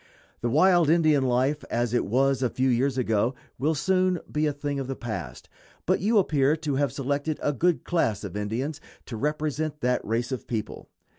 The wild Indian life as it was a few years ago will soon be a thing of the past, but you appear to have selected a good class of Indians to represent that race of people.